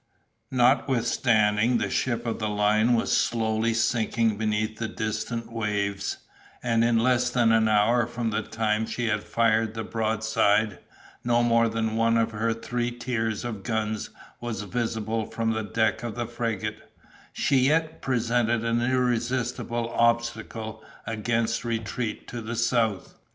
Notwithstanding the ship of the line was slowly sinking beneath the distant waves, and in less than an hour from the time she had fired the broadside, no more than one of her three tiers of guns was visible from the deck of the frigate, she yet presented an irresistible obstacle against retreat to the south.